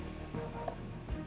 sama semua orang rick